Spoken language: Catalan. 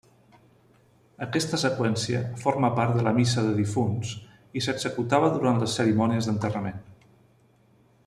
Aquesta seqüència forma part de la Missa de difunts i s'executava durant les cerimònies d'enterrament.